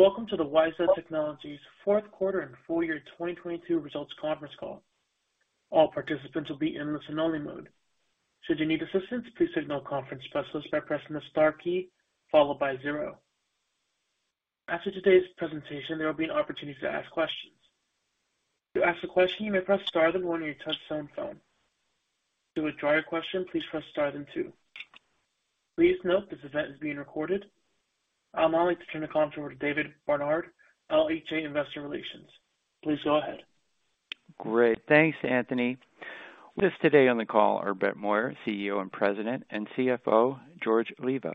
Welcome to the WiSA Technologies fourth quarter and full year 2022 results conference call. All participants will be in listen only mode. Should you need assistance, please signal conference host by pressing the star key followed by zero. After today's presentation, there will be an opportunity to ask questions. To ask a question, you may press star then one on your touchtone phone. To withdraw your question, please press star then two. Please note this event is being recorded. I'd now like to turn the call over to David Barnard, LHA Investor Relations. Please go ahead. Great. Thanks, Anthony. With us today on the call are Brett Moyer, CEO and President, and CFO George Oliva.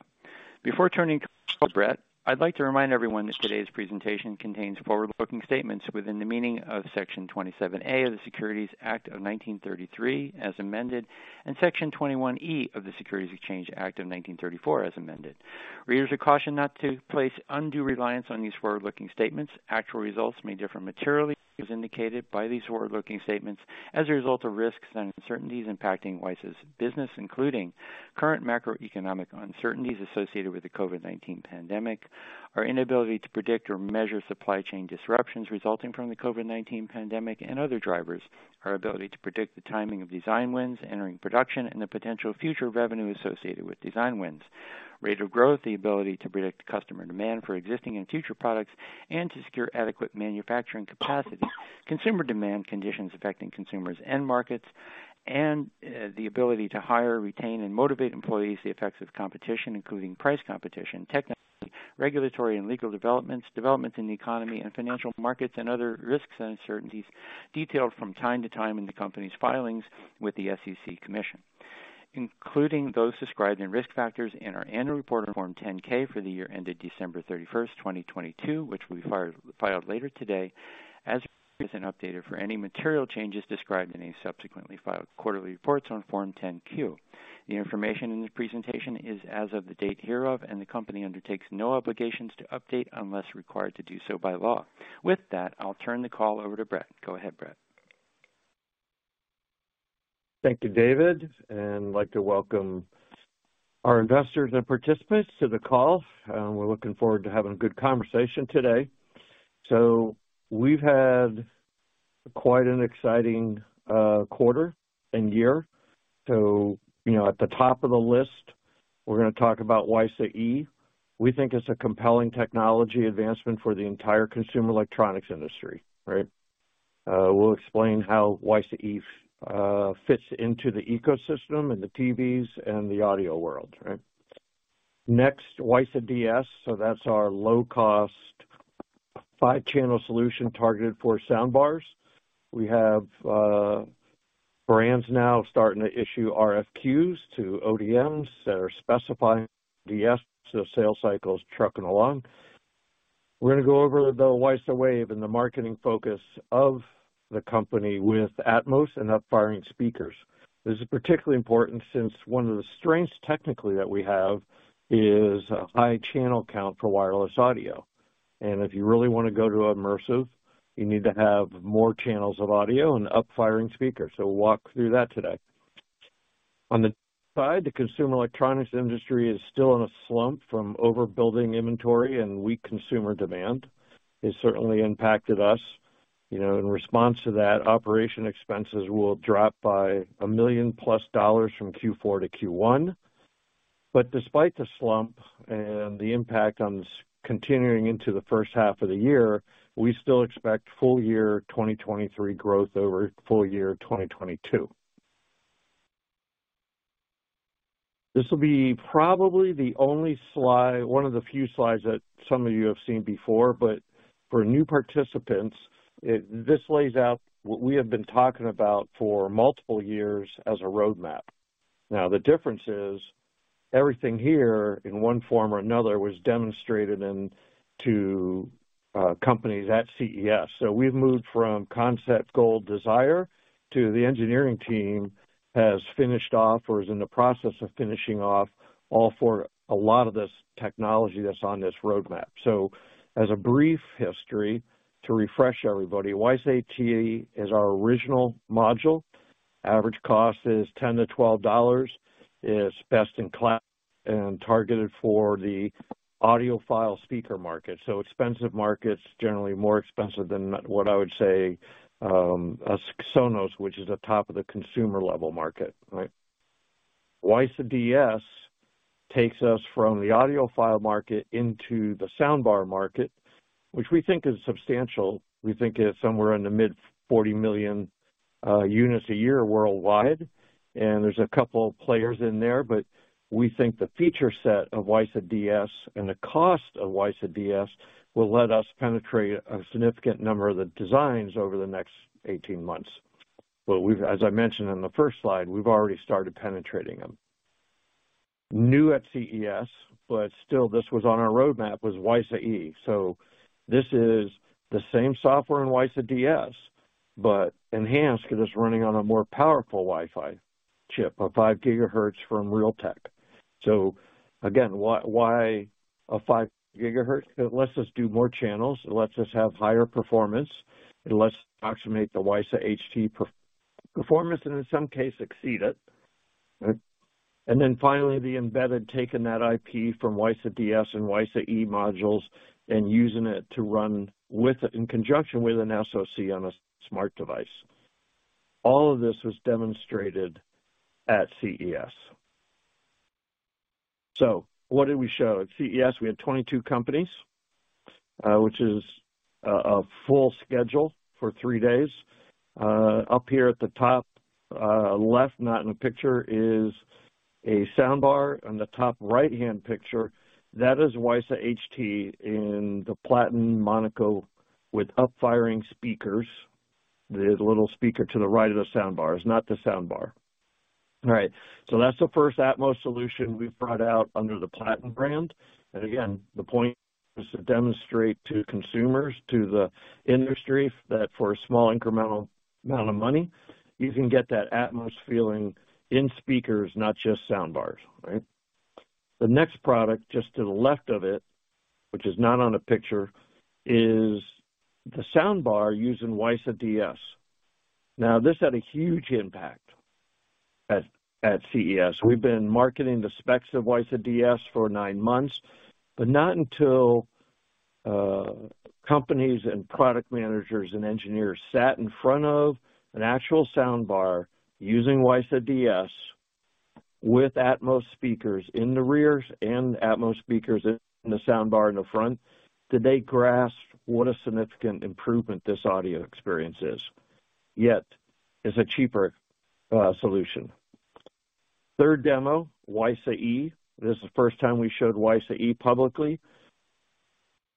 Before turning to Brett, I'd like to remind everyone that today's presentation contains forward-looking statements within the meaning of Section 27A of the Securities Act of 1933, as amended, and Section 21E of the Securities Exchange Act of 1934, as amended. Readers are cautioned not to place undue reliance on these forward-looking statements. Actual results may differ materially as indicated by these forward-looking statements as a result of risks and uncertainties impacting WiSA's business, including current macroeconomic uncertainties associated with the COVID-19 pandemic, our inability to predict or measure supply chain disruptions resulting from the COVID-19 pandemic and other drivers, our ability to predict the timing of design wins entering production and the potential future revenue associated with design wins, rate of growth, the ability to predict customer demand for existing and future products and to secure adequate manufacturing capacity, consumer demand conditions affecting consumers' end markets, and the ability to hire, retain and motivate employees, the effects of competition, including price competition, technology, regulatory and legal developments in the economy and financial markets and other risks and uncertainties detailed from time to time in the company's filings with the SEC, including those described in risk factors in our annual report on Form 10-K for the year ended December 31st, 2022, which we filed later today, as well as an updated for any material changes described in any subsequently filed quarterly reports on Form 10-Q. The information in this presentation is as of the date hereof, and the company undertakes no obligations to update unless required to do so by law. With that, I'll turn the call over to Brett. Go ahead, Brett. Thank you, David, and like to welcome our investors and participants to the call. We're looking forward to having a good conversation today. We've had quite an exciting quarter and year. You know, at the top of the list, we're gonna talk about WiSA E. We think it's a compelling technology advancement for the entire consumer electronics industry, right? We'll explain how WiSA E fits into the ecosystem and the TVs and the audio world, right? Next, WiSA DS. That's our low-cost five-channel solution targeted for soundbars. We have brands now starting to issue RFQs to ODMs that are specifying DS, so sales cycle is trucking along. We're gonna go over the WiSA Wave and the marketing focus of the company with Atmos and up firing speakers. This is particularly important since one of the strengths technically that we have is a high channel count for wireless audio. If you really wanna go to immersive, you need to have more channels of audio and up-firing speakers. We'll walk through that today. On the side, the consumer electronics industry is still in a slump from overbuilding inventory and weak consumer demand. It's certainly impacted us. You know, in response to that, operation expenses will drop by $1 million+ from Q4 to Q1. Despite the slump and the impact on this continuing into the first half of the year, we still expect full year 2023 growth over full year 2022. This will be probably the only slide, one of the few slides that some of you have seen before. For new participants, this lays out what we have been talking about for multiple years as a roadmap. The difference is everything here in one form or another was demonstrated to companies at CES. We've moved from concept goal desire to the engineering team has finished off or is in the process of finishing off all for a lot of this technology that's on this roadmap. As a brief history to refresh everybody, WiSA TE is our original module. Average cost is $10-$12. It's best in class and targeted for the audiophile speaker market. Expensive markets, generally more expensive than what I would say, a Sonos, which is a top of the consumer level market, right? WiSA DS takes us from the audiophile market into the soundbar market, which we think is substantial. We think it's somewhere in the mid 40 million units a year worldwide, and there's a couple players in there. We think the feature set of WiSA DS and the cost of WiSA DS will let us penetrate a significant number of the designs over the next 18 months. We've, as I mentioned on the first slide, we've already started penetrating them. New at CES, but still this was on our roadmap, was WiSA E. This is the same software in WiSA DS, but enhanced 'cause it's running on a more powerful Wi-Fi chip, a 5 GHz from Realtek. Again, why a 5 GHz? It lets us do more channels. It lets us have higher performance. It lets approximate the WiSA HT per-performance and in some cases exceed it. Finally, the embedded taking that IP from WiSA DS and WiSA E modules and using it to run with it in conjunction with an SOC on a smart device. All of this was demonstrated at CES. What did we show? At CES, we had 22 companies, which is a full schedule for three days. Up here at the top left, not in the picture, is a soundbar. On the top right-hand picture, that is WiSA HT in the Platin Monaco with up firing speakers. The little speaker to the right of the soundbar. It's not the soundbar. That's the first Atmos solution we've brought out under the Platin brand. Again, the point is to demonstrate to consumers, to the industry, that for a small incremental amount of money, you can get that Atmos feeling in speakers, not just soundbars, right? The next product, just to the left of it, which is not on the picture, is the soundbar using WiSA DS. This had a huge impact at CES. We've been marketing the specs of WiSA DS for nine months, but not until companies and product managers and engineers sat in front of an actual soundbar using WiSA DS with Atmos speakers in the rears and Atmos speakers in the soundbar in the front, did they grasp what a significant improvement this audio experience is. It's a cheaper solution. Third demo, WiSA E. This is the first time we showed WiSA E publicly.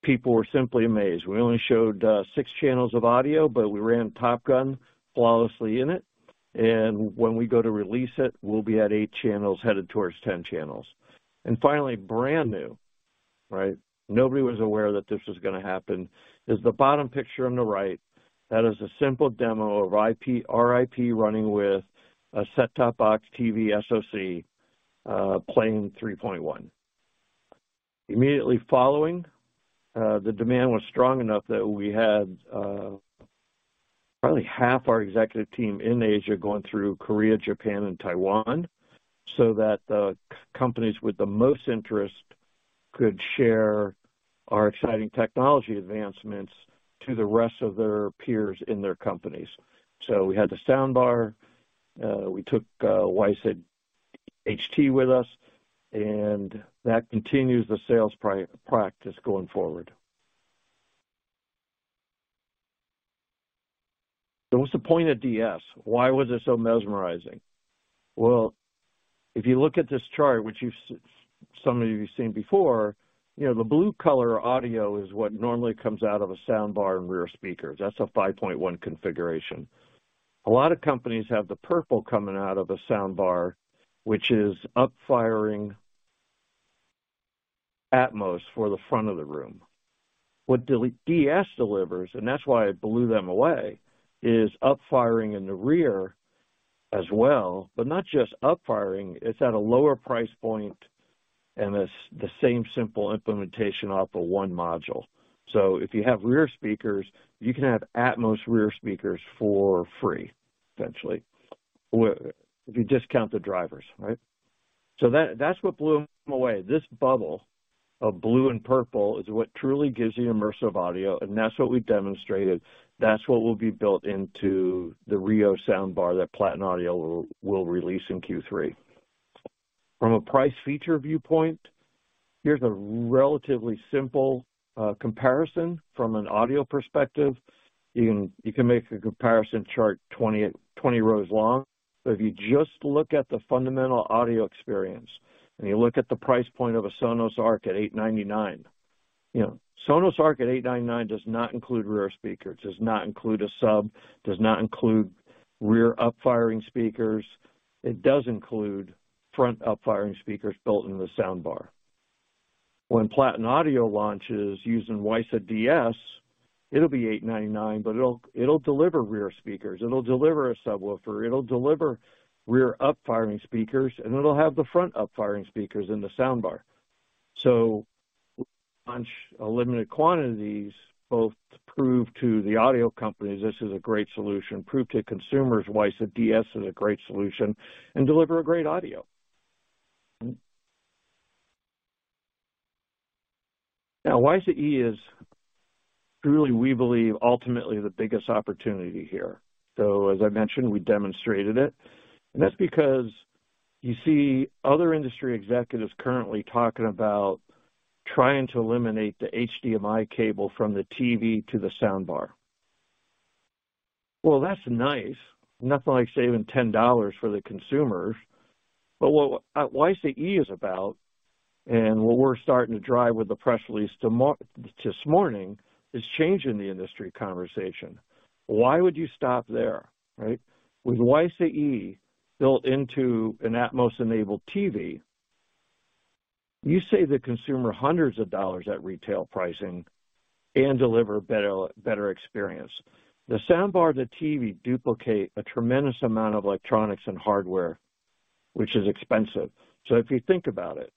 People were simply amazed. We only showed six channels of audio, but we ran Top Gun flawlessly in it. When we go to release it, we'll be at eight channels headed towards 10 channels. Finally, brand new, right? Nobody was aware that this was going to happen, is the bottom picture on the right. That is a simple demo of our IP running with a set-top box TV SOC, playing 3.1. Immediately following, the demand was strong enough that we had probably half our executive team in Asia going through Korea, Japan, and Taiwan, so that the companies with the most interest could share our exciting technology advancements to the rest of their peers in their companies. We had the soundbar, we took WiSA HT with us, and that continues the sales practice going forward. What's the point of DS? Why was it so mesmerizing? Well, if you look at this chart, which some of you've seen before, you know, the blue-color audio is what normally comes out of a soundbar and rear speakers. That's a 5.1 configuration. A lot of companies have the purple coming out of a soundbar, which is up-firing Atmos for the front of the room. What DS delivers, and that's why it blew them away, is up-firing in the rear as well. Not just up-firing, it's at a lower price point, and it's the same simple implementation off of one module. If you have rear speakers, you can have Atmos rear speakers for free, essentially. If you discount the drivers, right? That's what blew them away. This bubble of blue and purple is what truly gives you immersive audio, that's what we've demonstrated. That's what will be built into the RIO soundbar that Platin Audio will release in Q3. From a price feature viewpoint, here's a relatively simple comparison from an audio perspective. You can make a comparison chart 20 rows long, but if you just look at the fundamental audio experience, and you look at the price point of a Sonos Arc at $899. You know, Sonos Arc at $899 does not include rear speakers, does not include a sub, does not include rear up firing speakers. It does include front up firing speakers built into the soundbar. When Platin Audio launches using WiSA DS, it'll be $899, but it'll deliver rear speakers, it'll deliver a subwoofer, it'll deliver rear up firing speakers, and it'll have the front up firing speakers in the soundbar. Launch limited quantities, both to prove to the audio companies this is a great solution, prove to consumers WiSA DS is a great solution, and deliver a great audio. Now, WiSA E is truly, we believe, ultimately the biggest opportunity here. As I mentioned, we demonstrated it. That's because you see other industry executives currently talking about trying to eliminate the HDMI cable from the TV to the soundbar. Well, that's nice. Nothing like saving $10 for the consumers. What WiSA E is about, and what we're starting to drive with the press release this morning, is changing the industry conversation. Why would you stop there, right? With WiSA E built into an Atmos enabled TV, you save the consumer hundreds of dollars at retail pricing and deliver better experience. The soundbar, the TV duplicate a tremendous amount of electronics and hardware, which is expensive. If you think about it,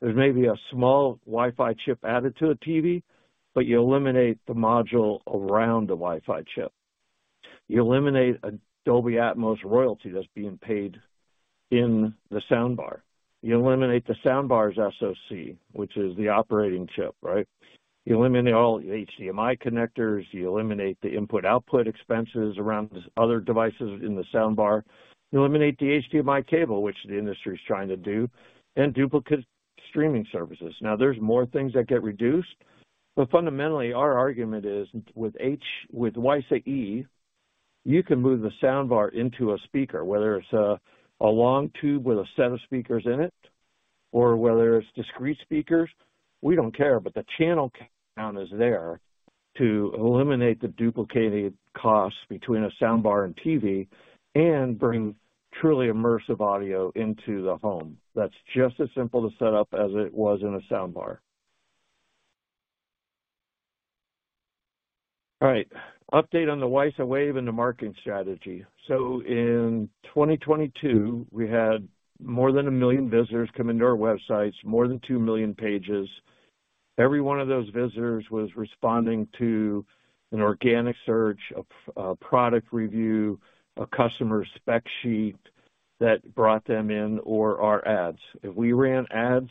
there may be a small Wi-Fi chip added to a TV, but you eliminate the module around the Wi-Fi chip. You eliminate a Dolby Atmos royalty that's being paid in the soundbar. You eliminate the soundbar's SOC, which is the operating chip, right? You eliminate all HDMI connectors. You eliminate the input/output expenses around these other devices in the soundbar. You eliminate the HDMI cable, which the industry is trying to do, and duplicate streaming services. There's more things that get reduced. Fundamentally, our argument is with with WiSA E, you can move the soundbar into a speaker, whether it's a long tube with a set of speakers in it or whether it's discrete speakers, we don't care. The channel count is there to eliminate the duplicated costs between a soundbar and TV and bring truly immersive audio into the home that's just as simple to set up as it was in a soundbar. All right. Update on the WiSA Wave and the marketing strategy. In 2022, we had more than 1 million visitors come into our websites, more than 2 million pages. Every one of those visitors was responding to an organic search, a product review, a customer spec sheet that brought them in or our ads. If we ran ads,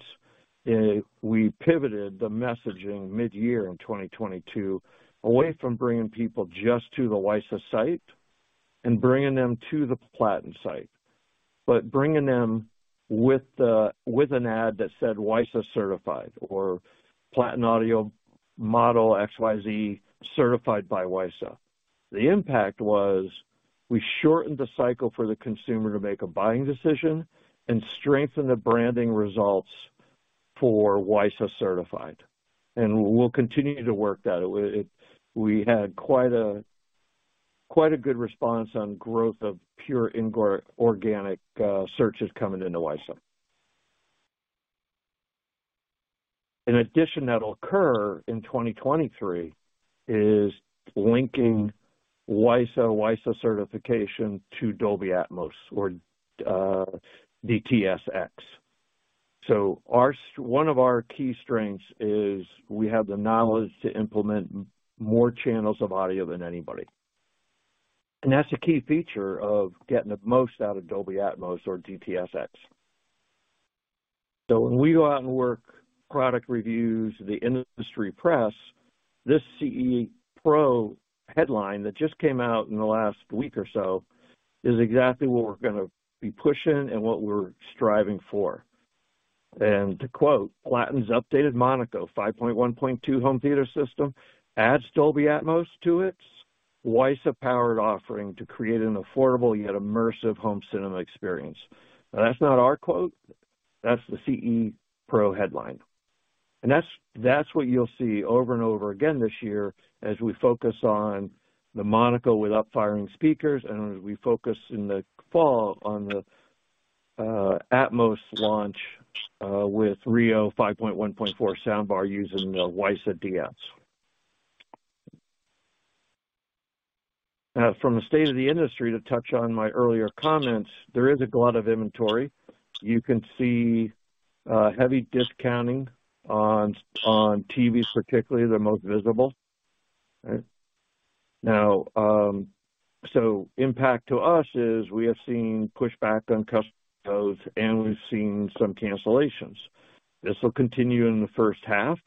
we pivoted the messaging mid-year in 2022 away from bringing people just to the WiSA site and bringing them to the Platin site, but bringing them with an ad that said WiSA Certified or Platin Audio model XYZ Certified by WiSA. The impact was we shortened the cycle for the consumer to make a buying decision and strengthen the branding results for WiSA Certified. We'll continue to work that. We had quite a good response on growth of pure organic searches coming into WiSA. An addition that'll occur in 2023 is linking WiSA certification to Dolby Atmos or DTS:X. Our one of our key strengths is we have the knowledge to implement more channels of audio than anybody. That's a key feature of getting the most out of Dolby Atmos or DTS:X. When we go out and work product reviews, the industry press, this CE Pro headline that just came out in the last week or so is exactly what we're gonna be pushing and what we're striving for. To quote, "Platin's updated Monaco 5.1.2 home theater system adds Dolby Atmos to its WiSA-powered offering to create an affordable yet immersive home cinema experience." Now, that's not our quote. That's the CE Pro headline. That's what you'll see over and over again this year as we focus on the Monaco with upfiring speakers and as we focus in the fall on the Atmos launch with RIO 5.1.4 soundbar using the WiSA DS. From the state of the industry, to touch on my earlier comments, there is a glut of inventory. You can see heavy discounting on TVs particularly, they're most visible. Right. Now, impact to us is we have seen pushback on custom installs, and we've seen some cancellations. This will continue in the first half,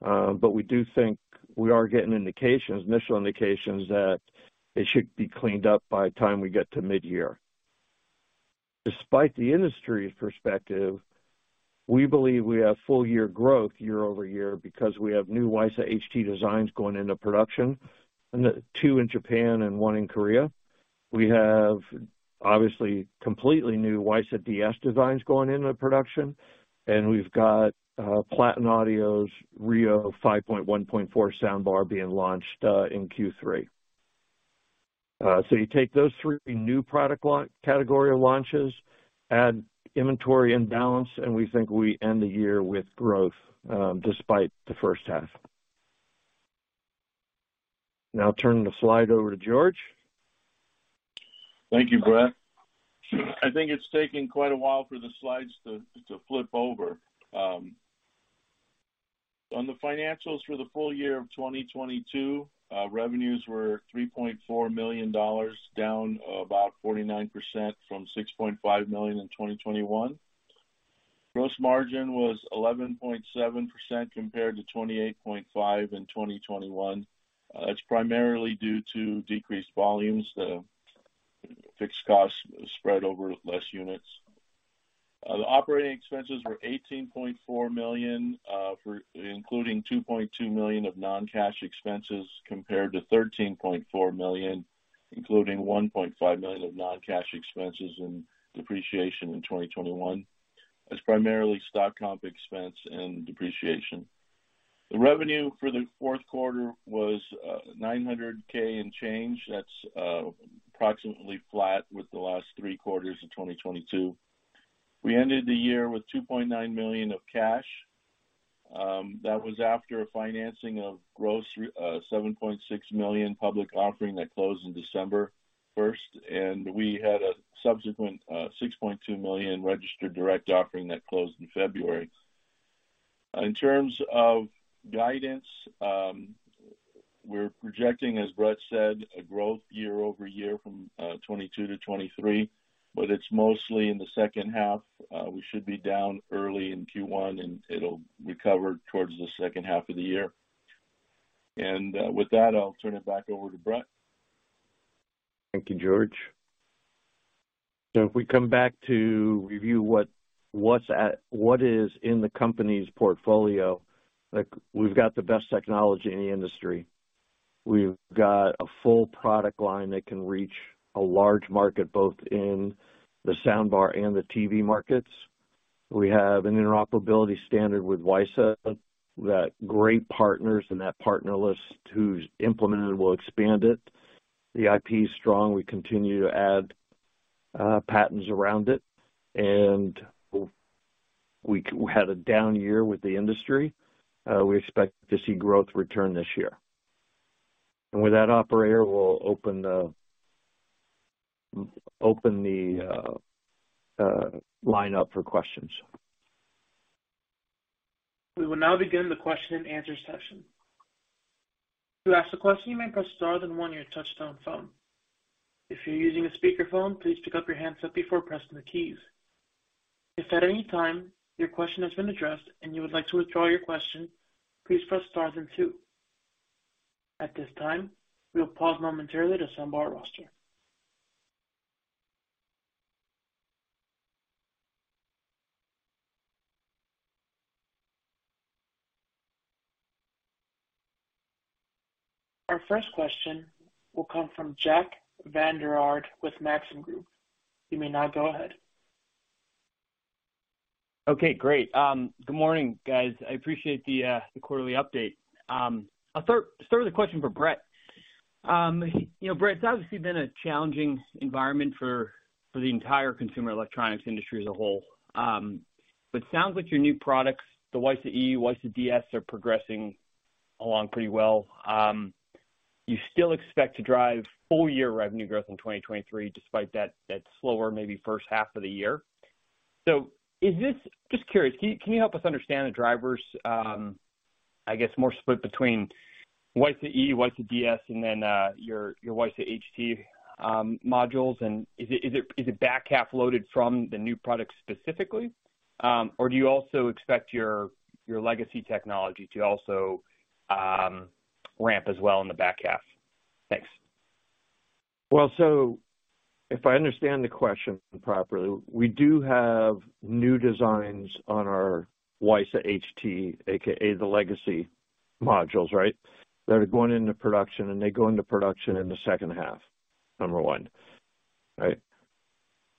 but we do think we are getting indications, initial indications that it should be cleaned up by the time we get to mid-year. Despite the industry's perspective, we believe we have full year growth year-over-year because we have new WiSA HT designs going into production, two in Japan and one in Korea. We have obviously completely new WiSA DS designs going into production, and we've got Platin Audio's RIO 5.1.4 soundbar being launched in Q3. You take those three new product category of launches, add inventory and balance, and we think we end the year with growth, despite the first half. Now turning the slide over to George. Thank you, Brett. I think it's taking quite a while for the slides to flip over. On the financials for the full year of 2022, revenues were $3.4 million, down about 49% from $6.5 million in 2021. Gross margin was 11.7% compared to 28.5% in 2021. That's primarily due to decreased volumes. The fixed costs spread over less units. The operating expenses were $18.4 million, including $2.2 million of non-cash expenses, compared to $13.4 million, including $1.5 million of non-cash expenses and depreciation in 2021. That's primarily stock comp expense and depreciation. The revenue for the Q4 was $900,000 and change. That's approximately flat with the last three quarters of 2022. We ended the year with $2.9 million of cash. That was after a financing of gross $7.6 million public offering that closed in December 1st. We had a subsequent $6.2 million registered direct offering that closed in February. In terms of guidance, we're projecting, as Brett said, a growth year-over-year from 2022 to 2023, it's mostly in the second half. We should be down early in Q1, it'll recover towards the second half of the year. With that, I'll turn it back over to Brett. Thank you, George. If we come back to review what is in the company's portfolio, like, we've got the best technology in the industry. We've got a full product line that can reach a large market, both in the soundbar and the TV markets. We have an interoperability standard with WiSA that great partners in that partner list who's implemented will expand it. The IP is strong. We continue to add patents around it, and we had a down year with the industry. We expect to see growth return this year. With that operator, we'll open the line up for questions. We will now begin the question and answer session. To ask a question, you may press star then one on your touchtone phone. If you're using a speakerphone, please pick up your handset before pressing the keys. If at any time your question has been addressed and you would like to withdraw your question, please press star then two. At this time, we will pause momentarily to assemble our roster. Our first question will come from Jack Vander Aarde with Maxim Group. You may now go ahead. Okay, great. Good morning, guys. I appreciate the quarterly update. I'll start with a question for Brett. You know, Brett, it's obviously been a challenging environment for the entire consumer electronics industry as a whole. Sounds like your new products, the WiSA E, WiSA DS are progressing along pretty well. You still expect to drive full year revenue growth in 2023, despite that slower maybe first half of the year. Just curious, can you help us understand the drivers, I guess, more split between WiSA E, WiSA DS, and then your WiSA HT modules? Is it back half loaded from the new product specifically, or do you also expect your legacy technology to also ramp as well in the back half? Thanks. Well, if I understand the question properly, we do have new designs on our WiSA HT, AKA the legacy modules, right? That are going into production, they go into production in the second half, number one. Right?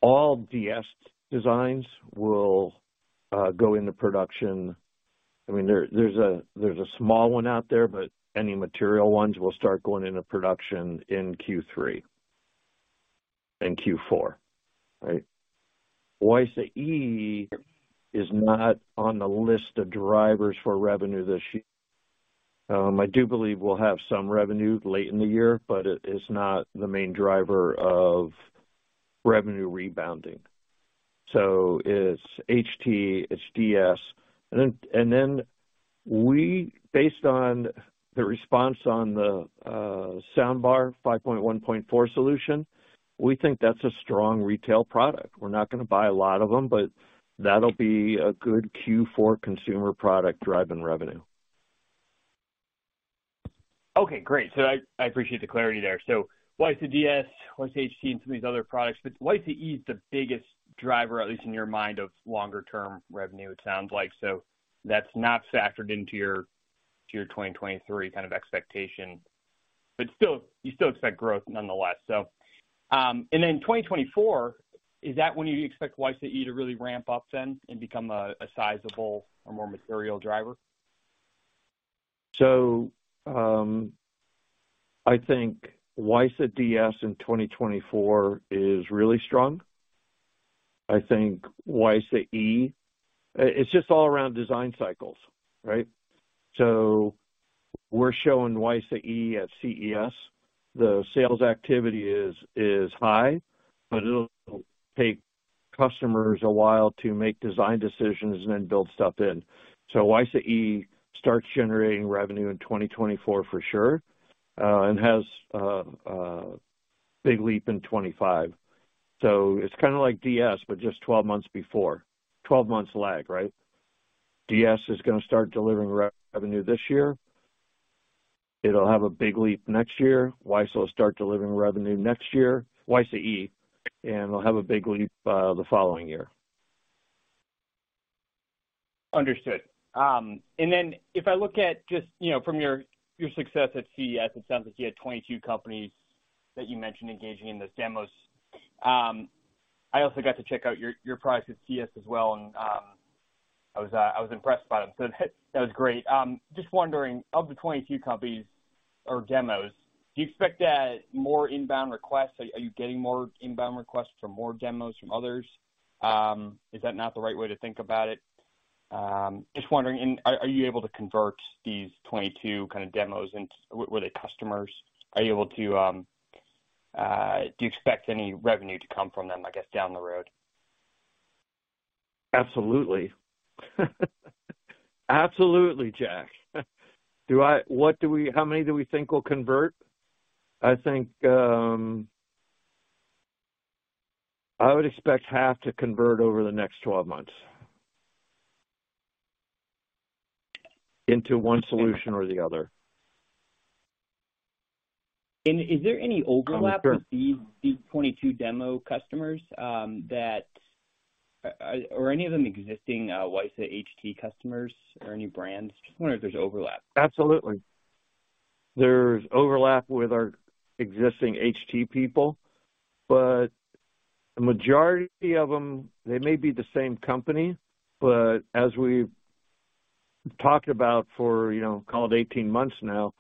All DS designs will go into production. I mean, there's a small one out there, any material ones will start going into production in Q3 and Q4, right? WiSA E is not on the list of drivers for revenue this year. I do believe we'll have some revenue late in the year, it is not the main driver of revenue rebounding. It's HT, it's DS. Then we based on the response on the soundbar 5.1.4 solution, we think that's a strong retail product. We're not gonna buy a lot of them, but that'll be a good Q4 consumer product driving revenue. Okay, great. I appreciate the clarity there. WiSA DS, WiSA HT, and some of these other products, but WiSA E is the biggest driver, at least in your mind, of longer term revenue, it sounds like. That's not factored into your 2023 kind of expectation, but still, you still expect growth nonetheless. Then 2024, is that when you expect WiSA E to really ramp up then and become a sizable or more material driver? I think WiSA DS in 2024 is really strong. I think WiSA E, it's just all around design cycles, right? We're showing WiSA E at CES. The sales activity is high, but it'll take customers a while to make design decisions and then build stuff in. WiSA E starts generating revenue in 2024 for sure, and has a big leap in 2025. It's kinda like DS, but just 12 months before. 12 months lag, right? DS is gonna start delivering revenue this year. It'll have a big leap next year. WiSA will start delivering revenue next year, WiSA E, and it'll have a big leap the following year. Understood. If I look at just, you know, from your success at CES, it sounds like you had 22 companies that you mentioned engaging in the demos. I also got to check out your products at CES as well, and I was impressed by them. That was great. Just wondering, of the 22 companies or demos, do you expect more inbound requests? Are you getting more inbound requests for more demos from others? Is that not the right way to think about it? Just wondering, and are you able to convert these 22 kinda demos into... Were they customers? Are you able to, do you expect any revenue to come from them, I guess, down the road? Absolutely. Absolutely, Jack. How many do we think will convert? I think, I would expect half to convert over the next 12 months into one solution or the other. is there any overlap- I'm sorry. With these 22 demo customers, Are any of them existing WiSA HT customers or any brands? Just wondering if there's overlap. Absolutely. There's overlap with our existing HT people, but the majority of them, they may be the same company, but as we've talked about for, you know, call it 18 months now,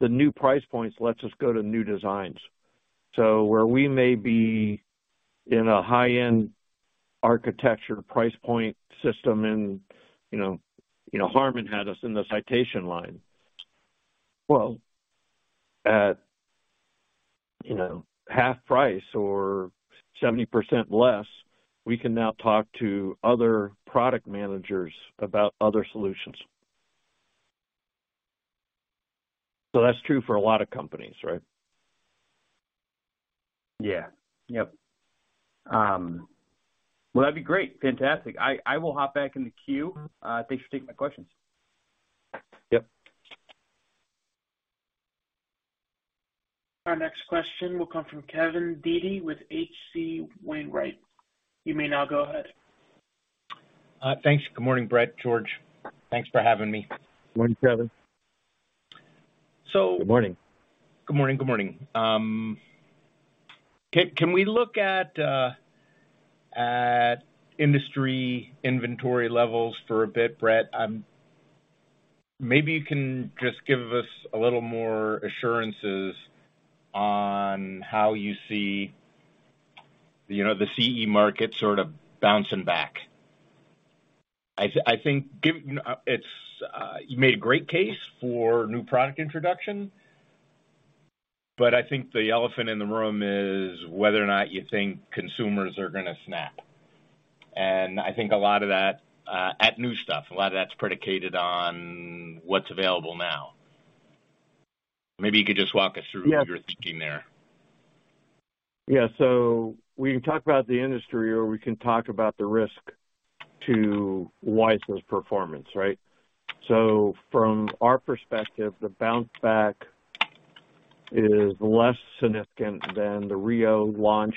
the new price points lets us go to new designs. Where we may be in a high-end architecture price point system and, you know, you know, HARMAN had us in the Citation line. Well, at, you know, half price or 70% less, we can now talk to other product managers about other solutions. That's true for a lot of companies, right? Yeah. Yep. Well, that'd be great. Fantastic. I will hop back in the queue. Thanks for taking my questions. Yep. Our next question will come from Kevin Dede with H.C. Wainwright. You may now go ahead. Thanks. Good morning, Bret, George. Thanks for having me. Morning, Kevin. So- Good morning. Good morning, good morning. Can we look at industry inventory levels for a bit, Bret? Maybe you can just give us a little more assurances on how you see, you know, the CE market sort of bouncing back. I think it's, you made a great case for new product introduction, but I think the elephant in the room is whether or not you think consumers are gonna snap. I think a lot of that, at new stuff, a lot of that's predicated on what's available now. Maybe you could just walk us through- Yeah. Your thinking there. We can talk about the industry, or we can talk about the risk to WiSA's performance, right? From our perspective, the bounce back is less significant than the RIO launch.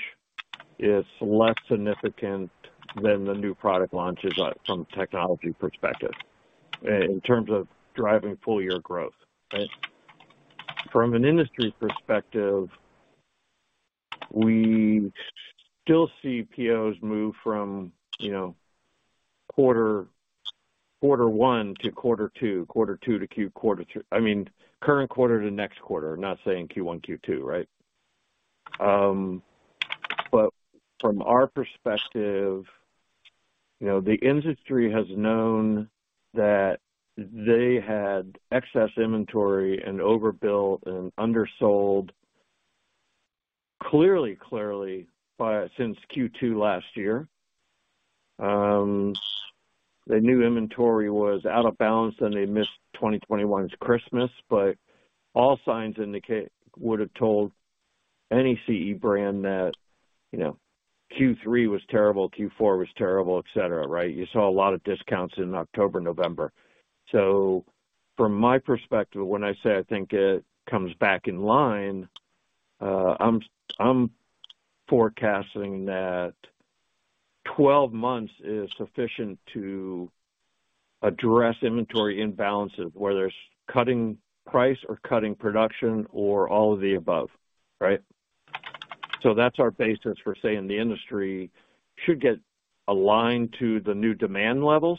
It's less significant than the new product launches, from a technology perspective in terms of driving full year growth, right? From an industry perspective, we still see POs move from, you know, quarter one to quarter two, quarter two to current quarter to next quarter. Not saying Q1, Q2, right? But from our perspective, you know, the industry has known that they had excess inventory and overbuilt and undersold clearly since Q2 last year. They knew inventory was out of balance, and they missed 2021's Christmas. All signs indicate would've told any CE brand that, you know, Q3 was terrible, Q4 was terrible, et cetera, right? You saw a lot of discounts in October, November. From my perspective, when I say I think it comes back in line, I'm forecasting that 12 months is sufficient to address inventory imbalances, whether it's cutting price or cutting production or all of the above, right? That's our basis for saying the industry should get aligned to the new demand levels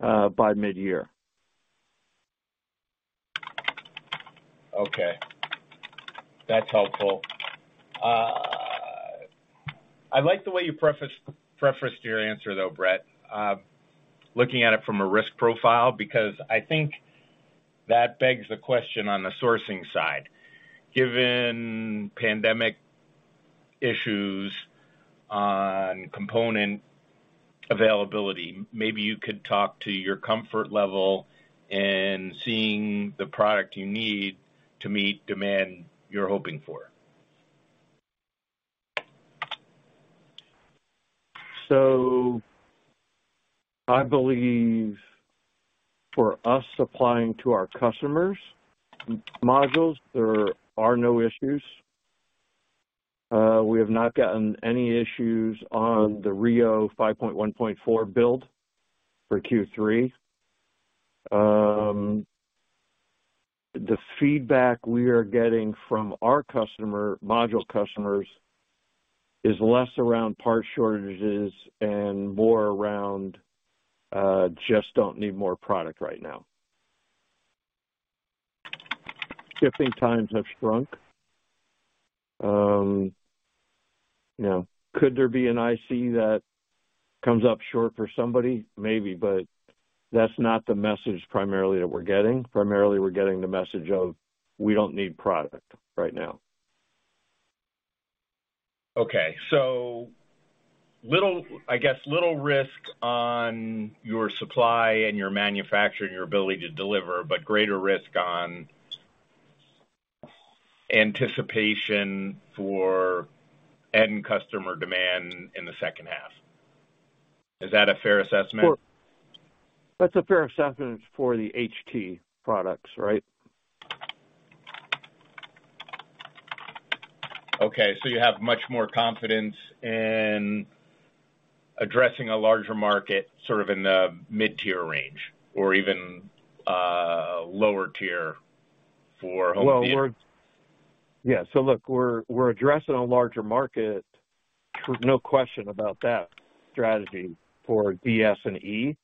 by mid-year. Okay. That's helpful. I like the way you prefaced your answer though, Brett, looking at it from a risk profile. I think that begs the question on the sourcing side. Given pandemic issues on component availability, maybe you could talk to your comfort level in seeing the product you need to meet demand you're hoping for. I believe for us supplying to our customers modules, there are no issues. We have not gotten any issues on the Rio 5.1.4 build for Q3. The feedback we are getting from our module customers is less around part shortages and more around, just don't need more product right now. Shipping times have shrunk. You know, could there be an IC that comes up short for somebody? Maybe, but that's not the message primarily that we're getting. Primarily, we're getting the message of, we don't need product right now. Little risk on your supply and your manufacturing, your ability to deliver, but greater risk on anticipation for end customer demand in the second half. Is that a fair assessment? That's a fair assessment for the HT products, right? Okay. You have much more confidence in addressing a larger market, sort of in the mid-tier range or even lower tier for home theater. Yeah, look, we're addressing a larger market. There's no question about that strategy for DS and E.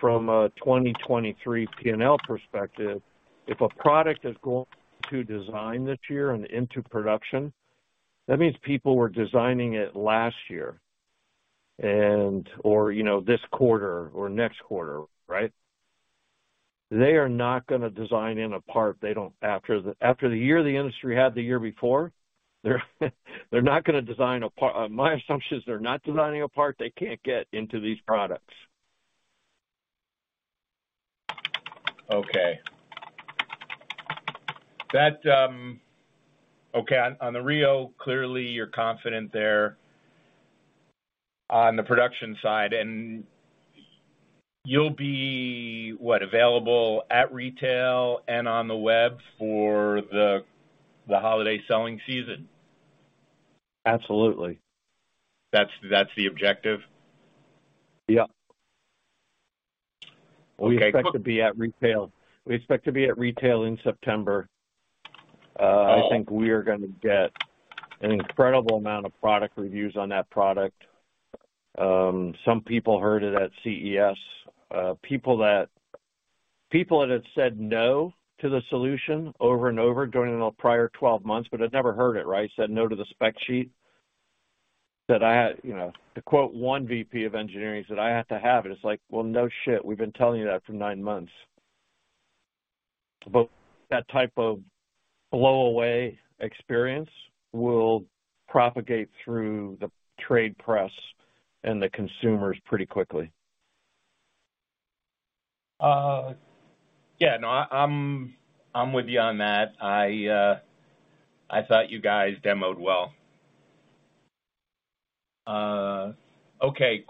From a 2023 P&L perspective, if a product is going to design this year and into production, that means people were designing it last year and/or, you know, this quarter or next quarter, right? They are not gonna design in a part. After the year the industry had the year before, they're not gonna design. My assumption is they're not designing a part they can't get into these products. Okay. That. Okay, on the RIO, clearly you're confident there on the production side. You'll be what? Available at retail and on the web for the holiday selling season? Absolutely. That's the objective? Yeah. Okay. We expect to be at retail in September. Oh. I think we are gonna get an incredible amount of product reviews on that product. Some people heard it at CES. People that had said no to the solution over and over during the prior 12 months but had never heard it, right? Said no to the spec sheet, that I had, you know, to quote one VP of engineering, said, "I have to have it." It's like, well, no shit, we've been telling you that for 9 months. That type of blow away experience will propagate through the trade press and the consumers pretty quickly. Yeah, no, I'm with you on that. I thought you guys demoed well. Okay,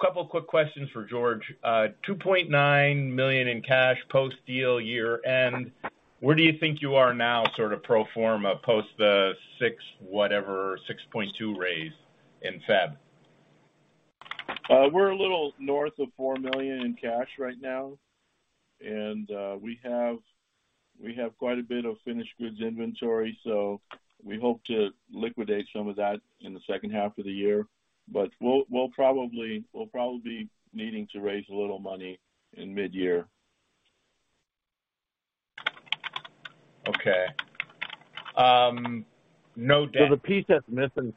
couple of quick questions for George. $2.9 million in cash post-deal year end, where do you think you are now, sort of pro forma post the $6.2 raise in February? We're a little north of $4 million in cash right now, and we have quite a bit of finished goods inventory, so we hope to liquidate some of that in the second half of the year. We'll probably be needing to raise a little money in mid-year. Okay. No debt. The piece that's missing. Hold on, Kevin. I'm sorry. Go ahead, Brett. The piece that's missing. Yeah, the piece that's missing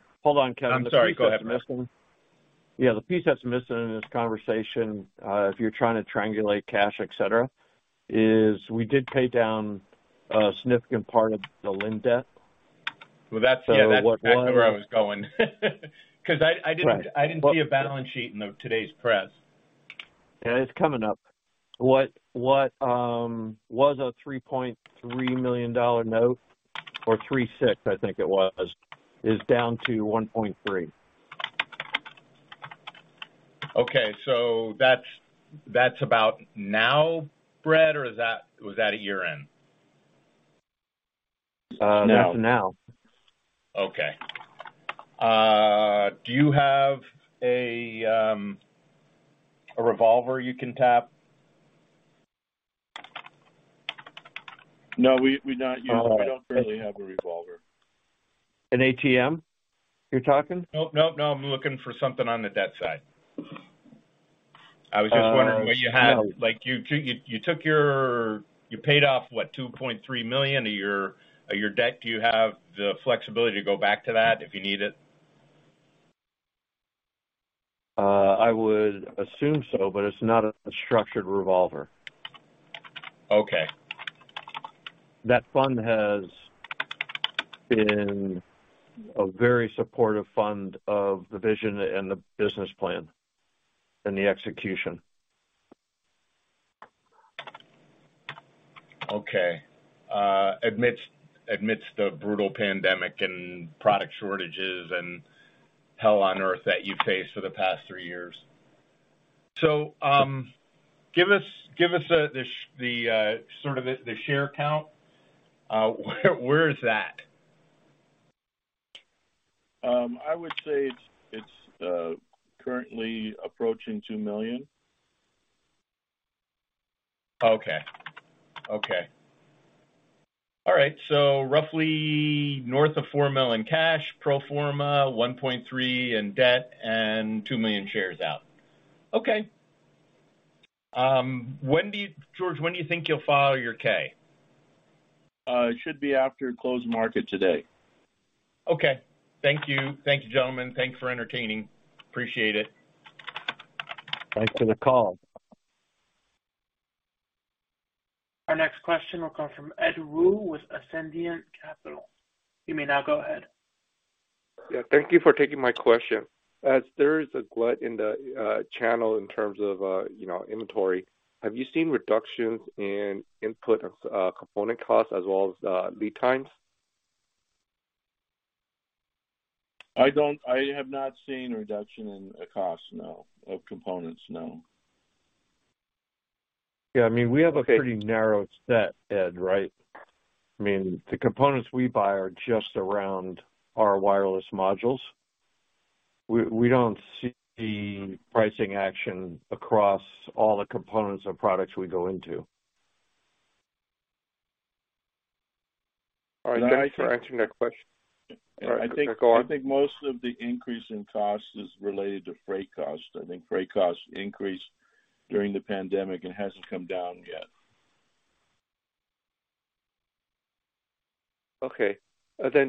in this conversation, if you're trying to triangulate cash, et cetera, is we did pay down a significant part of the lend debt. Well, that's- what was. Yeah, that's where I was going. 'Cause I didn't-. Right I didn't see a balance sheet in the today's press. Yeah, it's coming up. What, was a $3.3 million dollar note or $3.6, I think it was, is down to $1.3. Okay. That's about now, Brett, or was that at year-end? Now. It's now. Okay. Do you have a revolver you can tap? No, we're not used. We don't really have a revolver. An ATM you're talking? Nope, nope, no. I'm looking for something on the debt side. I was just wondering what you had. Like, you took your... You paid off, what, $2.3 million of your debt. Do you have the flexibility to go back to that if you need it? I would assume so, but it's not a structured revolver. Okay. That fund has been a very supportive fund of the vision and the business plan and the execution. Okay. amidst the brutal pandemic and product shortages and hell on earth that you faced for the past three years. give us the sort of the share count. where is that? I would say it's currently approaching $2 million. Okay. Okay. All right. Roughly north of $4 million in cash, pro forma $1.3 million in debt, and 2 million shares out. Okay. George, when do you think you'll file your K? It should be after closed market today. Okay. Thank you. Thank you, gentlemen. Thanks for entertaining. Appreciate it. Thanks for the call. Our next question will come from Ed Woo with Ascendiant Capital. You may now go ahead. Yeah. Thank you for taking my question. As there is a glut in the channel in terms of, you know, inventory, have you seen reductions in input of component costs as well as lead times? I don't. I have not seen a reduction in the cost, no, of components, no. Yeah, I mean, we have a pretty narrow set, Ed, right? I mean, the components we buy are just around our wireless modules. We don't see pricing action across all the components or products we go into. All right. Thanks for answering that question. All right. Go on. I think most of the increase in cost is related to freight cost. I think freight cost increased during the pandemic and hasn't come down yet. Okay.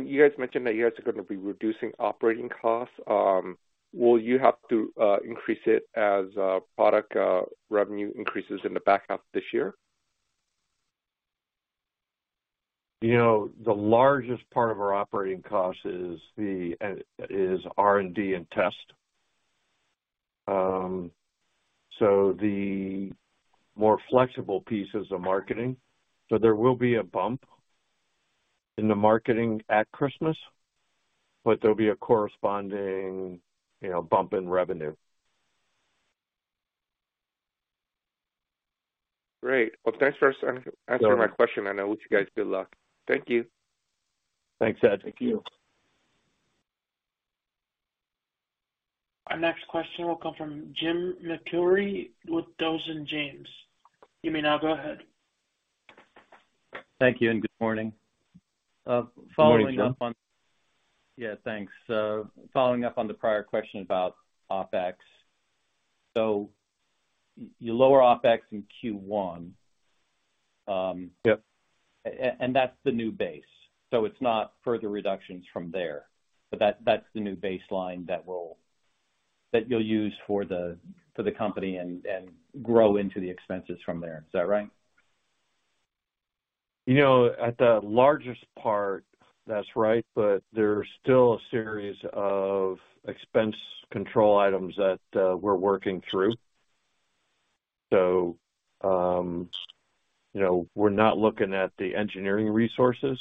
You guys mentioned that you guys are gonna be reducing operating costs. Will you have to increase it as product revenue increases in the back half of this year? You know, the largest part of our operating cost is R&D and test. The more flexible piece is the marketing. There will be a bump in the marketing at Christmas, but there'll be a corresponding, you know, bump in revenue. Great. Well, thanks for answering my question, and I wish you guys good luck. Thank you. Thanks, Ed. Thank you. Our next question will come from Jim McIlree with Dawson James Securities. You may now go ahead. Thank you. Good morning. Good morning, Jim. Yeah, thanks. Following up on the prior question about OpEx. You lower OpEx in Q1. Yep. That's the new base. It's not further reductions from there. That's the new baseline that you'll use for the company and grow into the expenses from there. Is that right? You know, at the largest part, that's right, but there's still a series of expense control items that we're working through. You know, we're not looking at the engineering resources,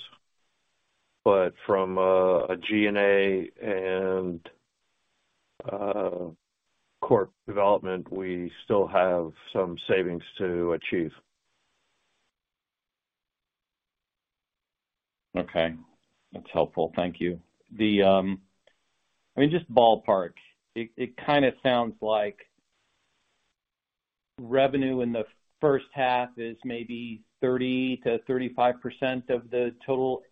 but from a G&A and core development, we still have some savings to achieve. Okay. That's helpful. Thank you. The... I mean, just ballpark, it kinda sounds like revenue in the first half is maybe 30%-35% of the total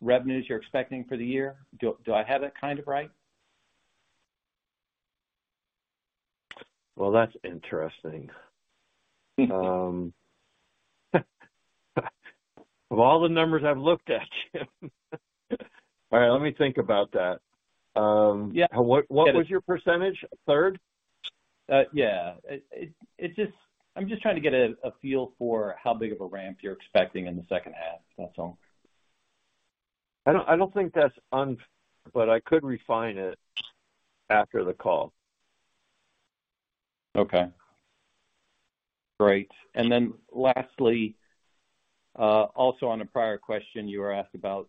revenues you're expecting for the year. Do I have that kind of right? Well, that's interesting. Of all the numbers I've looked at, Jim. All right, let me think about that. Yeah. What was your percentage? A third? Yeah. It's just I'm just trying to get a feel for how big of a ramp you're expecting in the second half, that's all. I don't think that's. I could refine it after the call. Okay. Great. Then lastly, also on a prior question you were asked about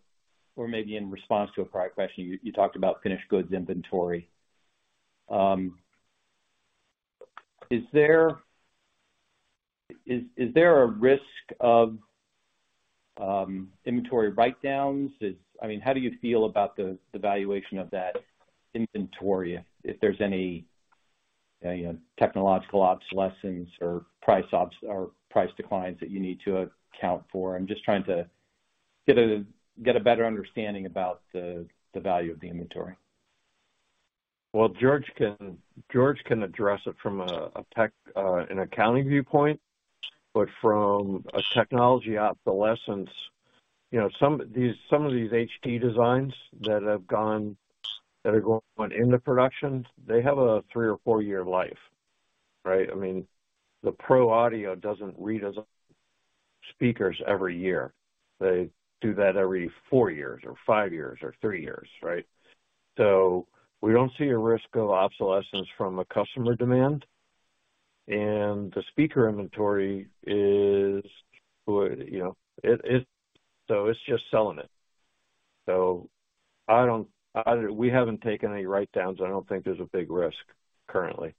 or maybe in response to a prior question, you talked about finished goods inventory. Is there a risk of inventory write-downs? I mean, how do you feel about the valuation of that inventory if there's any technological obsolescence or price declines that you need to account for? I'm just trying to get a better understanding about the value of the inventory. Well, George can address it from a tech, an accounting viewpoint. From a technology obsolescence, you know, some of these HD designs that have gone into production, they have a three or four-year life, right? I mean, the pro audio doesn't read as speakers every year. They do that every four years or five years or three years, right? We don't see a risk of obsolescence from a customer demand. The speaker inventory is, you know, it's just selling it. We haven't taken any write-downs. I don't think there's a big risk currently.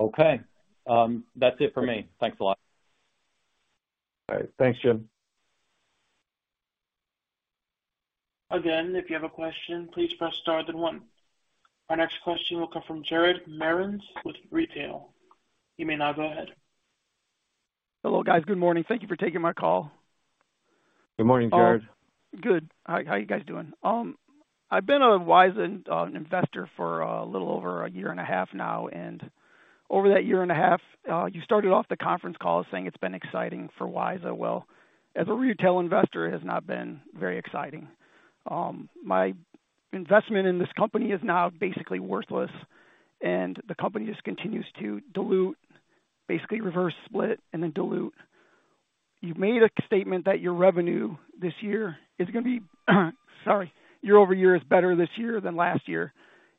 Okay. That's it for me. Thanks a lot. All right. Thanks, Jim. Again, if you have a question, please press star then one. Our next question will come from Jared Merrins with Retail. You may now go ahead. Hello, guys. Good morning. Thank you for taking my call. Good morning, Jared. Good. How you guys doing? I've been a WiSA investor for a little over a year and a half now, and over that year and a half, you started off the conference call saying it's been exciting for WiSA. Well, as a retail investor, it has not been very exciting. My investment in this company is now basically worthless. The company just continues to dilute, basically reverse split and then dilute. You've made a statement that your revenue this year is gonna be, sorry, year-over-year is better this year than last year.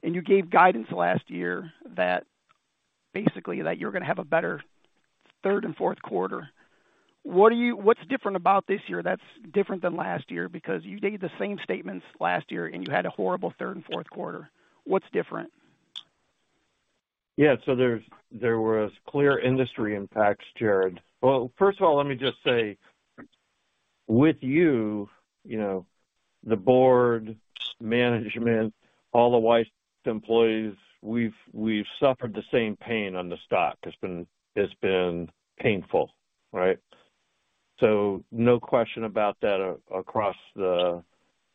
You gave guidance last year that basically that you're gonna have a better third and fourth quarter. What's different about this year that's different than last year? You gave the same statements last year, you had a horrible third and fourth quarter. What's different? Yeah, there was clear industry impacts, Jared. Well, first of all, let me just say, with you know, the board, management, all the WiSA employees, we've suffered the same pain on the stock. It's been painful, right? No question about that across the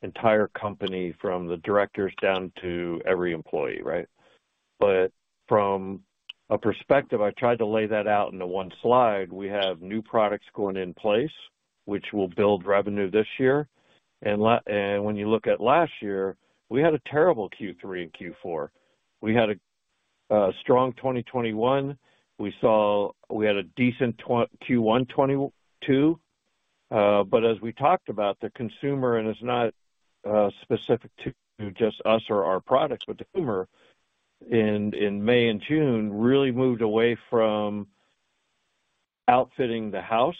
entire company from the directors down to every employee, right? From a perspective, I tried to lay that out into one slide. We have new products going in place which will build revenue this year. When you look at last year, we had a terrible Q3 and Q4. We had a strong 2021. We had a decent Q1 2022. As we talked about, the consumer, and it's not specific to just us or our products, but the consumer in May and June really moved away from outfitting the house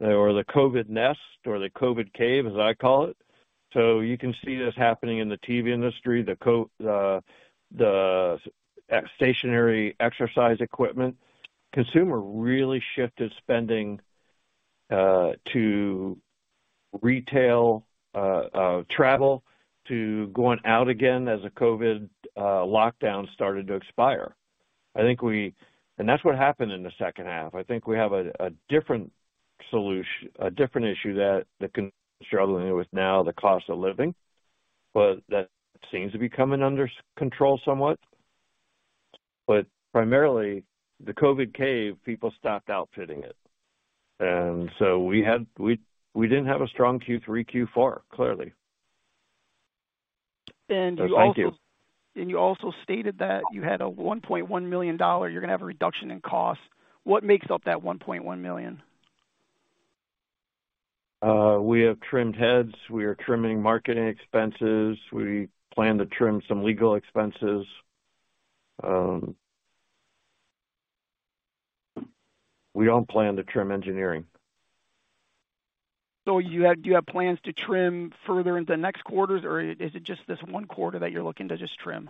or the COVID nest or the COVID cave, as I call it. You can see this happening in the TV industry, the stationary exercise equipment. Consumer really shifted spending to retail, travel to going out again as the COVID lockdown started to expire. That's what happened in the second half. I think we have a different issue that the consumer is struggling with now, the cost of living, but that seems to be coming under control somewhat. Primarily, the COVID cave, people stopped outfitting it. So we didn't have a strong Q3, Q4, clearly. You also. Thank you. You also stated that you had a $1.1 million, you're going to have a reduction in cost. What makes up that $1.1 million? We have trimmed heads. We are trimming marketing expenses. We plan to trim some legal expenses. We don't plan to trim engineering. Do you have plans to trim further into next quarters, or is it just this one quarter that you're looking to just trim?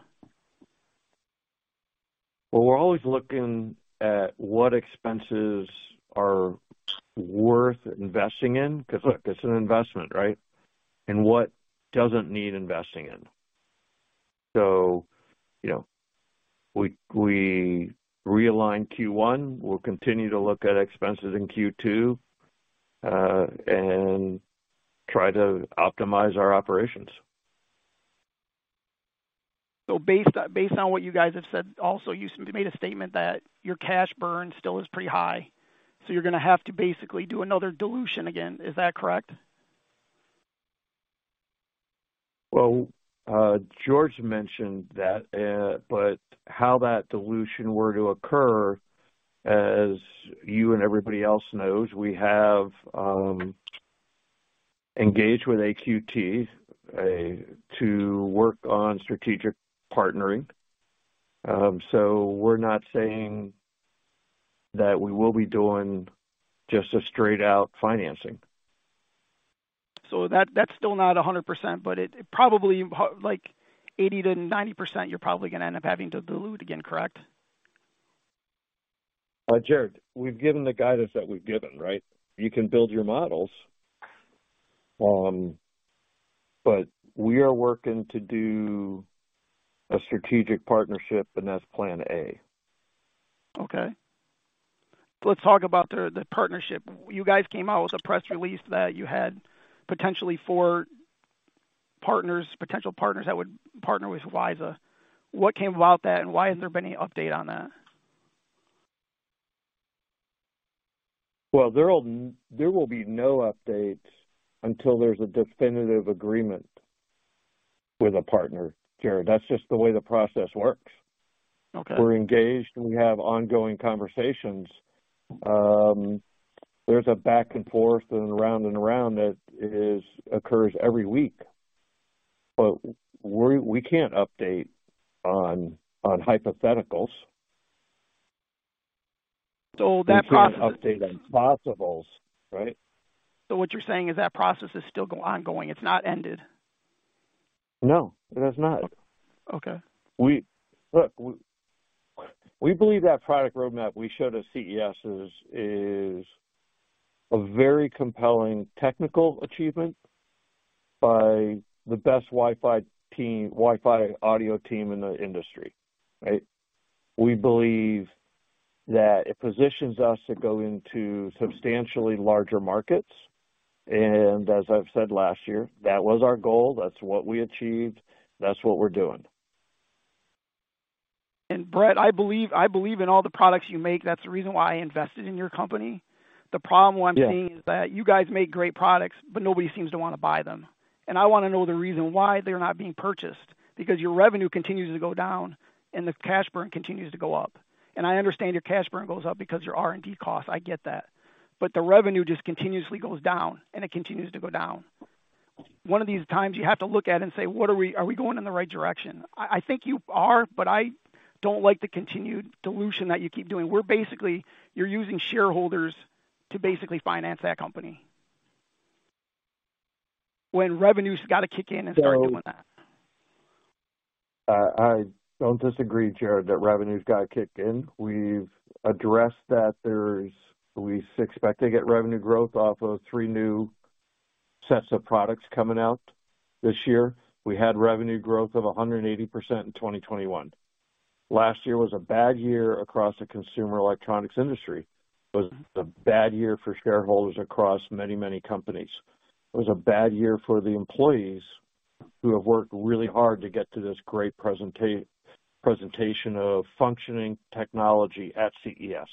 Well, we're always looking at what expenses are worth investing in, 'cause look, it's an investment, right? What doesn't need investing in. You know, we realigned Q1. We'll continue to look at expenses in Q2 and try to optimize our operations. Based on what you guys have said, also, you made a statement that your cash burn still is pretty high, so you're gonna have to basically do another dilution again. Is that correct? George mentioned that, how that dilution were to occur, as you and everybody else knows, we have engaged with AQT to work on strategic partnering. We're not saying that we will be doing just a straight-out financing. That's still not 100%, but it probably, like 80%-90%, you're probably gonna end up having to dilute again, correct? Jared, we've given the guidance that we've given, right? You can build your models. We are working to do a strategic partnership, and that's plan A. Okay. Let's talk about the partnership. You guys came out with a press release that you had potentially four partners that would partner with WiSA. What came about that, and why hasn't there been any update on that? Well, there will be no updates until there's a definitive agreement with a partner, Jared. That's just the way the process works. Okay. We're engaged and we have ongoing conversations. there's a back and forth and round and round that occurs every week. We, we can't update on hypotheticals. That We can't update on possibles, right? What you're saying is that process is still ongoing. It's not ended. No, it has not. Okay. Look, we believe that product roadmap we showed at CES is a very compelling technical achievement by the best Wi-Fi team, Wi-Fi audio team in the industry. Right? We believe that it positions us to go into substantially larger markets. As I've said last year, that was our goal. That's what we achieved. That's what we're doing. Bret, I believe in all the products you make. That's the reason why I invested in your company. The problem. Yeah. I'm seeing is that you guys make great products, but nobody seems to wanna buy them. I wanna know the reason why they're not being purchased. Your revenue continues to go down and the cash burn continues to go up. I understand your cash burn goes up because your R&D costs, I get that, but the revenue just continuously goes down, and it continues to go down. One of these times you have to look at it and say, "Are we going in the right direction?" I think you are, but I don't like the continued dilution that you keep doing. You're using shareholders to basically finance that company. When revenue's gotta kick in and start doing that. I don't disagree, Jared, that revenue's gotta kick in. We've addressed We expect to get revenue growth off of three new sets of products coming out this year. We had revenue growth of 180% in 2021. Last year was a bad year across the consumer electronics industry. It was a bad year for shareholders across many companies. It was a bad year for the employees who have worked really hard to get to this great presentation of functioning technology at CES.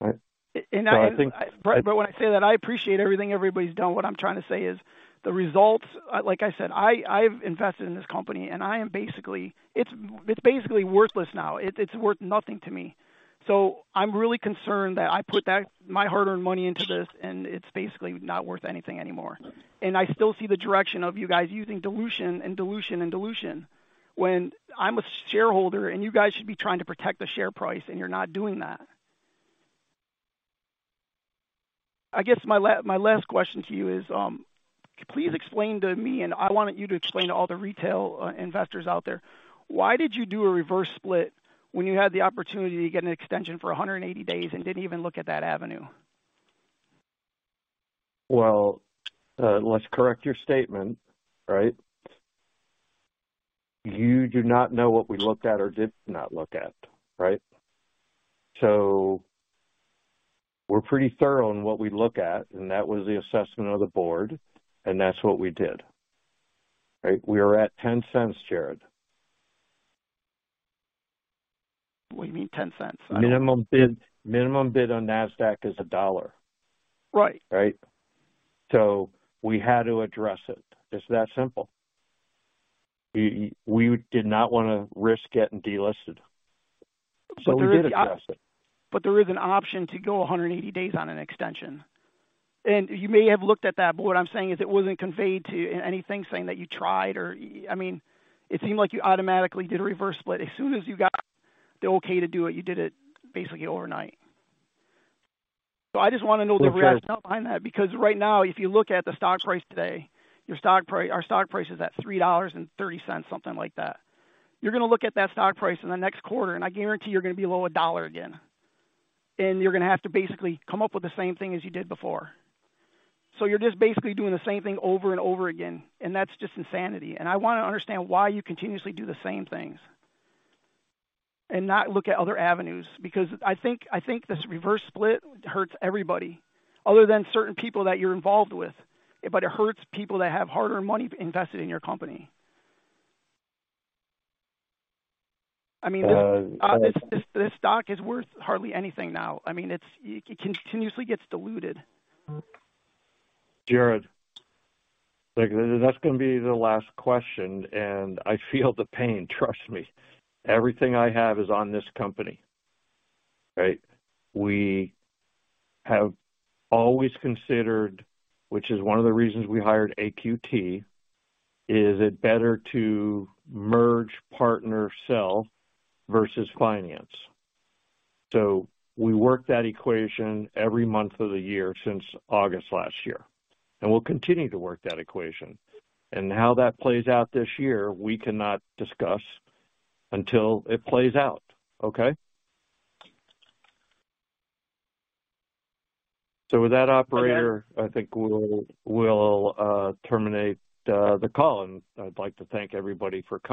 Right? I think. I, Brett, but when I say that I appreciate everything everybody's done, what I'm trying to say is the results, like I said, I've invested in this company, and I am basically. It's basically worthless now. It's worth nothing to me. I'm really concerned that I put my hard-earned money into this, and it's basically not worth anything anymore. I still see the direction of you guys using dilution and dilution and dilution. When I'm a shareholder and you guys should be trying to protect the share price, and you're not doing that. I guess my last question to you is, please explain to me, I want you to explain to all the retail investors out there, why did you do a reverse split when you had the opportunity to get an extension for 180 days and didn't even look at that avenue? Well, let's correct your statement, right? You do not know what we looked at or did not look at, right? We're pretty thorough in what we look at, and that was the assessment of the board, and that's what we did. Right? We are at $0.10, Jared. What do you mean $0.10? Minimum bid on Nasdaq is $1. Right. Right? We had to address it. It's that simple. We did not want to risk getting delisted. there is- We did address it. There is an option to go 180 days on an extension. You may have looked at that, but what I'm saying is it wasn't conveyed to you in anything saying that you tried or I mean, it seemed like you automatically did a reverse split. As soon as you got the okay to do it, you did it basically overnight. I just wanna know. Well, Jared. the rationale behind that, because right now, if you look at the stock price today, our stock price is at $3.30, something like that. You're gonna look at that stock price in the next quarter, I guarantee you're gonna be below $1 again. You're gonna have to basically come up with the same thing as you did before. You're just basically doing the same thing over and over again, and that's just insanity. I wanna understand why you continuously do the same things and not look at other avenues, because I think this reverse split hurts everybody other than certain people that you're involved with. It hurts people that have hard-earned money invested in your company. I mean, this. Uh, I- This stock is worth hardly anything now. I mean, It continuously gets diluted. Jared, look, that's gonna be the last question, and I feel the pain, trust me. Everything I have is on this company. Right? We have always considered, which is one of the reasons we hired AQT, is it better to merge, partner, sell versus finance. We work that equation every month of the year since August last year, and we'll continue to work that equation. How that plays out this year, we cannot discuss until it plays out. Okay? With that, operator- Okay. I think we'll terminate the call. I'd like to thank everybody for coming.